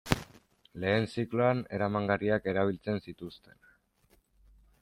Lehen zikloan eramangarriak erabiltzen zituzten.